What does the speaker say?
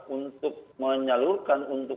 untuk menyalurkan untuk